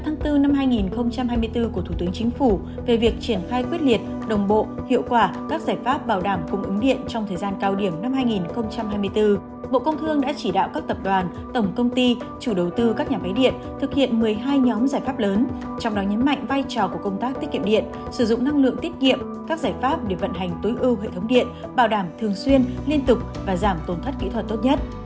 ngoài ra công ty đã xây dựng mới nhiều đường dây trung hạ áp nâng cao khả năng cung cấp điện sử dụng năng lượng tiết kiệm các giải pháp để vận hành tối ưu hệ thống điện bảo đảm thường xuyên liên tục và giảm tồn thất kỹ thuật tốt nhất